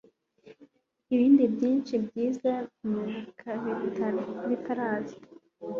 ibindi byinshi byiza nibuka bitaraza